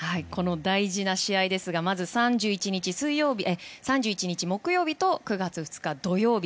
大事な試合ですがまず３１日、木曜日と９月２日、土曜日。